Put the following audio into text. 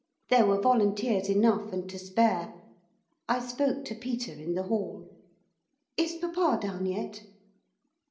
There were volunteers enough, and to spare. I spoke to Peter in the hall. 'Is papa down yet?